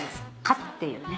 っていうね。